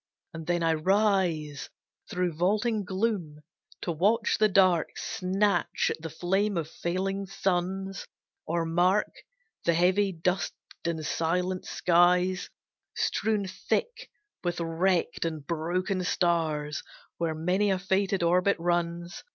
And then I rise Through vaulting gloom, to watch the dark Snatch at the flame of failing suns; Or mark The heavy dusked and silent skies, Strewn thick with wrecked and broken stars, Where many a fated orbit runs.